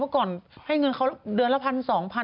เมื่อก่อนให้เงินเขาเดือนละพันสองพัน